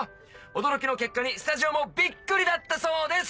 驚きの結果にスタジオもびっくりだったそうです！